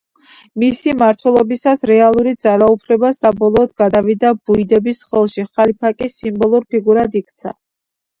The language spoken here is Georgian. მისი მმართველობისას რეალური ძალაუფლება საბოლოოდ გადავიდა ბუიდების ხელში, ხალიფა კი სიმბოლურ ფიგურად იქცა.